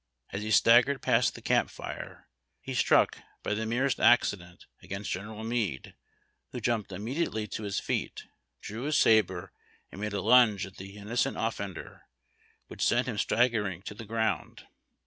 As he staggered past the camp fire, he struck, by the merest accident, against General Meade, who jumped immediately to his feet, drew his sabre, and made a lunge at the innocent offender, which sent him staggering to the ground.